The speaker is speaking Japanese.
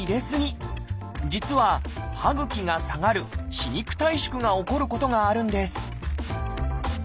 実は歯ぐきが下がる歯肉退縮が起こることがあるんです